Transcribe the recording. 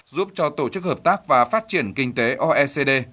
giúp cho tổ chức hợp tác và phát triển kinh tế oecd